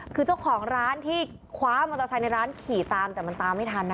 คือเจ้าของร้านที่คว้ามอเตอร์ไซค์ในร้านขี่ตามแต่มันตามไม่ทัน